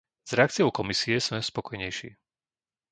S reakciou Komisie sme spokojnejší.